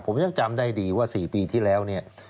ผมยังจำได้ดีว่า๔ปีที่แล้วเนี่ย